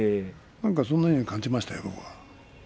僕はそんなふうに感じましたよ。